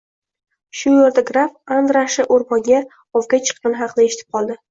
Shu yerda graf Andrashi oʻrmonga ovga chiqqani haqida eshitib qoldi.